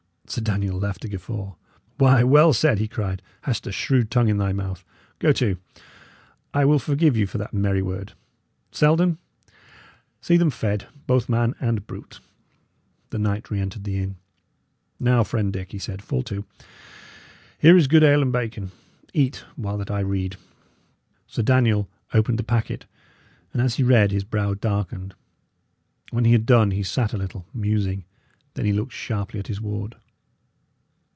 Sir Daniel laughed a guffaw. "Why, well said!" he cried. "Hast a shrewd tongue in thy mouth, go to! I will forgive you for that merry word. Selden, see them fed, both man and brute." The knight re entered the inn. "Now, friend Dick," he said, "fall to. Here is good ale and bacon. Eat, while that I read." Sir Daniel opened the packet, and as he read his brow darkened. When he had done he sat a little, musing. Then he looked sharply at his ward.